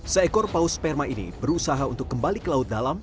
seekor paus sperma ini berusaha untuk kembali ke laut dalam